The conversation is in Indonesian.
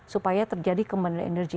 supaya terjadi kembali energi